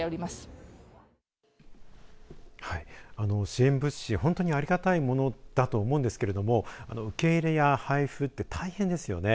支援物資、本当にありがたいものだと思うんですけれども受け入れや配布って大変ですよね。